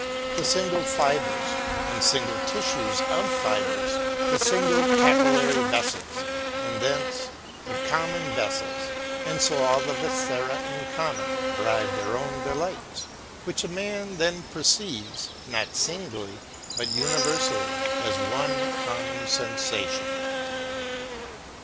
The single fibers, and single tissues of hirers, the single capillary vessels, and thence the common vessels, and so all the viscera in common, derive their own delights ; which a man then perceives, not singly but uni versally, as one common sensiition.